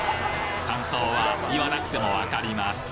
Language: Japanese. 感想は言わなくても分かります